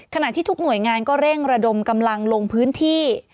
ขณะที่ทุกหน่วยงานก็เร่งระดมกำลังลงพื้นที่